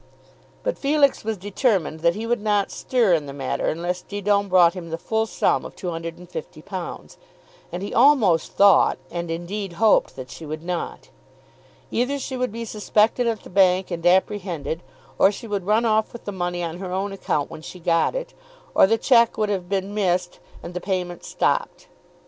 But Felix was determined that he would not stir in the matter unless Didon brought him the full sum of £250; and he almost thought, and indeed hoped, that she would not. Either she would be suspected at the bank and apprehended, or she would run off with the money on her own account when she got it; or the cheque would have been missed and the payment stopped.